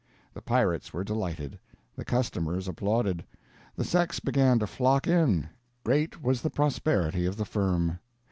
The pirates were delighted, the customers applauded, the sex began to flock in, great was the prosperity of the firm.